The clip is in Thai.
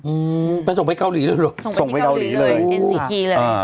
อืมไปส่งไปเกาหลีเลยเหรอส่งไปเกาหลีเลยเอ็นซีกีเลยอ่า